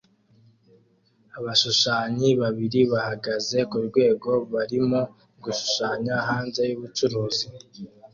Abashushanya babiri bahagaze kurwego barimo gushushanya hanze yubucuruzi